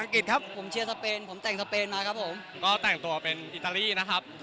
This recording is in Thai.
ก็แต่งตัวเป็นอิตาลีนะครับ